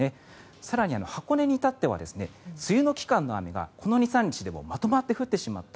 更に、箱根に至っては梅雨の期間の雨がこの２３日でまとまって降ってしまった。